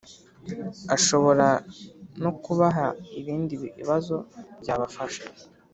Ashobora no kubaha ibindi bibazo byabafasha